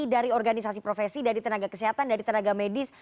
dari organisasi profesi dari tenaga kesehatan dari tenaga medis